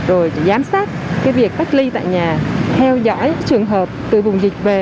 rồi giám sát việc cách ly tại nhà theo dõi trường hợp từ vùng dịch về